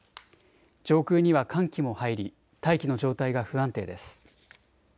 上空には寒気も入り大気の状態が不安定です。